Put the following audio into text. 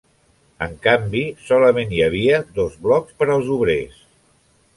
En canvi solament hi havia dos blocs per als obrers.